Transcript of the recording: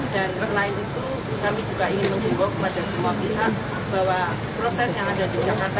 selain itu kami juga ingin mengimbau kepada semua pihak bahwa proses yang ada di jakarta